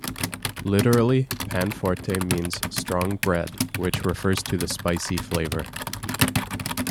Literally, panforte means "strong bread" which refers to the spicy flavour.